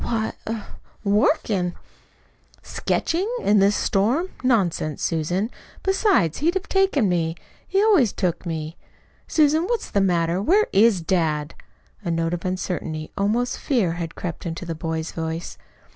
"Why, er working." "Sketching? in this storm? Nonsense, Susan! Besides, he'd have taken me. He always took me. Susan, what's the matter? Where IS dad?" A note of uncertainty, almost fear, had crept into the boy's voice.